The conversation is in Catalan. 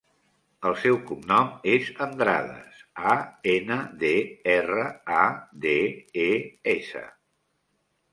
El seu cognom és Andrades: a, ena, de, erra, a, de, e, essa.